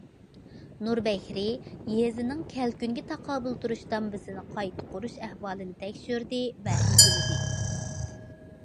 نۇر بەكرى يېزىنىڭ كەلكۈنگە تاقابىل تۇرۇش دامبىسىنى قايتا قۇرۇش ئەھۋالىنى تەكشۈردى ۋە ئىگىلىدى.